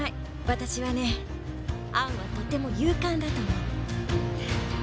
私はねアンはとても勇敢だと思う。